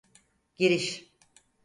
Giriş.